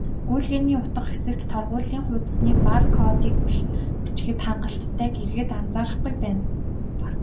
"Гүйлгээний утга" хэсэгт торгуулийн хуудасны бар кодыг л бичихэд хангалттайг иргэд анзаарахгүй байна.